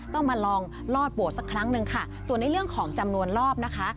ต้องมาลองลอดโบสถสักครั้งหนึ่งค่ะส่วนในเรื่องของจำนวนรอบนะคะ